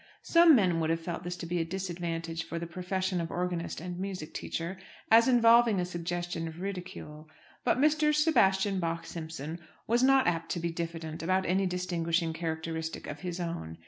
Some men would have felt this to be a disadvantage for the profession of organist and music teacher, as involving a suggestion of ridicule. But Mr. Sebastian Bach Simpson was not apt to be diffident about any distinguishing characteristic of his own.